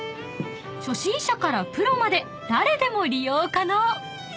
［初心者からプロまで誰でも利用可能］